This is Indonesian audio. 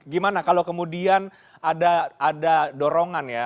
gimana kalau kemudian ada dorongan ya